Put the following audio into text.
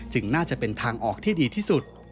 น่าจะเป็นทางออกที่ดีที่สุด